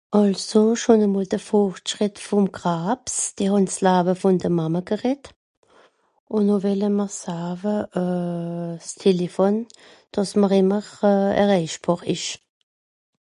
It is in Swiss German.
àlso schon e mol de Fortschrìtt vùm Krabs, die hàn s Laawe vùn de Mamme gerett, un no welle mr saawe euh s Téléphone, dàss mr ìmmer erräichbàr ìsch